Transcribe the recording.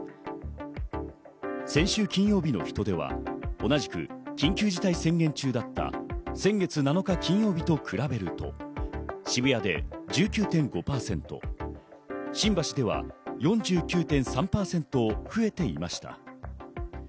先週金曜日の人出は同じく緊急事態宣言中だった先月７日金曜日と比べると渋谷で１９．５％、新橋では４９．３％増えていました。